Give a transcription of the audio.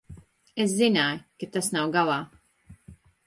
Es zināju, ka tas nav galā.